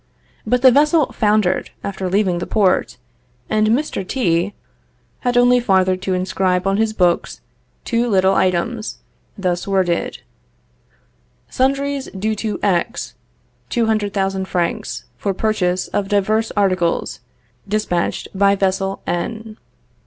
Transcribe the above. But the vessel foundered after leaving the port, and Mr. T ... had only farther to inscribe on his books two little items, thus worded: "Sundries due to X, 200,000 francs, for purchase of divers articles despatched by vessel N.